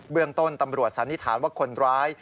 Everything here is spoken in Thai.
เรื่องต้นตำรวจสันนิษฐานว่าคนร้าย